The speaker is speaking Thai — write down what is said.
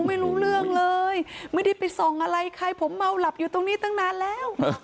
ไม่รู้เรื่องเลยไม่ได้ไปส่องอะไรใครผมเมาหลับอยู่ตรงนี้ตั้งนานแล้ว